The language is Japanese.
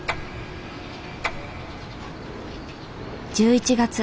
１１月。